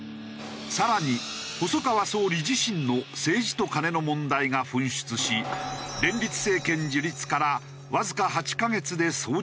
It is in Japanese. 更に細川総理自身の政治とカネの問題が噴出し連立政権樹立からわずか８カ月で総辞職となった。